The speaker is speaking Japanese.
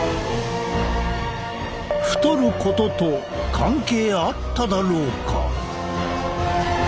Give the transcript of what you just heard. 太ることと関係あっただろうか？